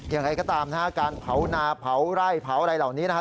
อย่างไรก็ตามนะฮะการเผานาเผาไร่เผาอะไรเหล่านี้นะครับ